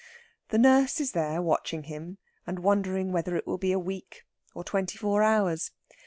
The nurse is there watching him, and wondering whether it will be a week, or twenty four hours.